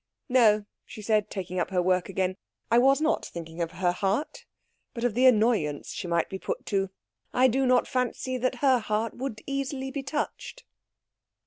"No," she said, taking up her work again, "I was not thinking of her heart, but of the annoyance she might be put to. I do not fancy that her heart would easily be touched."